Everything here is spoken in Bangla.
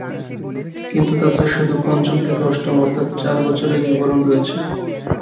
কিন্তু তাতে শুধু পঞ্চম থেকে অষ্টম অর্থাৎ চার বছরের বিবরণ রয়েছে।